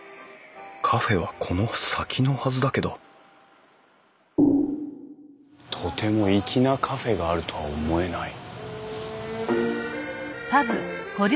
カフェはこの先のはずだけどとても粋なカフェがあるとは思えない。